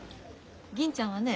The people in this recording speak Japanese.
銀ちゃんはね